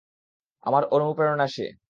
আমার অনুপ্রেরণা সে।